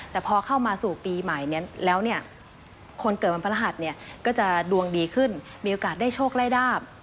แต่พอเข้ามาสู่ปีใหม่นี้แล้วเนี่ยคนเกิดวันพระหัสเนี่ยก็จะดวงดีขึ้นมีโอกาสได้โชคไล่ดาบ